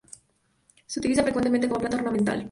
Se utilizan frecuentemente como planta ornamental.